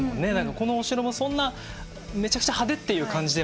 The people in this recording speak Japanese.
このお城もそんなめちゃくちゃ派手っていう感じでもないし。